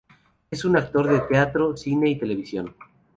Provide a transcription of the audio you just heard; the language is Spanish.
Es un actor de teatro, cine y televisión.